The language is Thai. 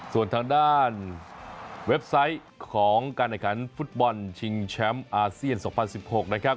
ส่วนทางด้านเว็บไซต์ของการแข่งขันฟุตบอลชิงแชมป์อาเซียน๒๐๑๖นะครับ